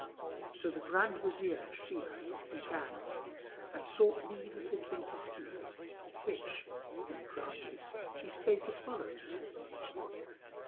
So the Grand Wazir Shimas began and sought leave of the King to speak, which being granted, he spake as follows.